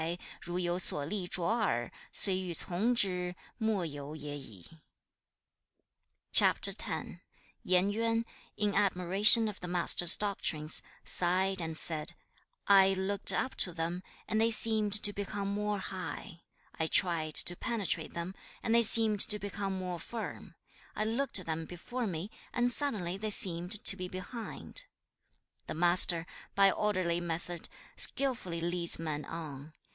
X. 1. Yen Yuan, in admiration of the Master's doctrines, sighed and said, 'I looked up to them, and they seemed to become more high; I tried to penetrate them, and they seemed to become more firm; I looked at them before me, and suddenly they seemed to be behind. 2. 'The Master, by orderly method, skilfully leads men on.